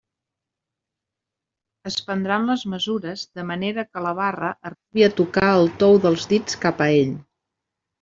Es prendran les mesures de manera que la barra arribi a tocar el tou dels dits cap a ell.